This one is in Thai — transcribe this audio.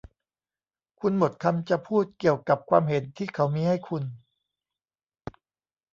คุณหมดคำจะพูดเกี่ยวกับความเห็นที่เขามีให้คุณ